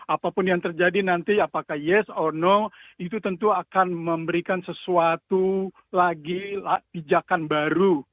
apapun yang terjadi nanti apakah yes on no itu tentu akan memberikan sesuatu lagi pijakan baru